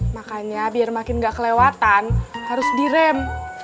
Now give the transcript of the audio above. makanya biar makin nggak kelewatan harus direm